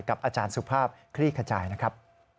อาจารย์สุภาพคลี่ขจายนะครับ